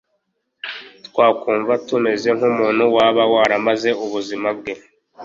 Twakumva tumeze nk'umuntu waba waramaze ubuzima bwe